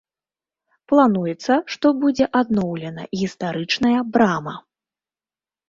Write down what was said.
Плануецца, што будзе адноўлена гістарычная брама.